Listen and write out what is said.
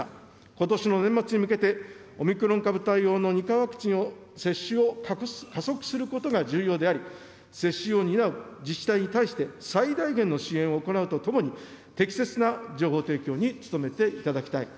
ことしの年末に向けて、オミクロン株対応の２価ワクチンの接種を加速することが重要であり、接種を担う自治体に対して、最大限の支援を行うとともに、適切な情報提供に努めていただきたい。